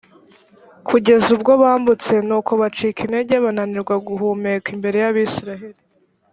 kugeza ubwo bambutse; nuko bacika intege, bananirwa guhumeka imbere y’abayisraheli.